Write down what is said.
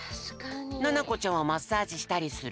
ななこちゃんはマッサージしたりする？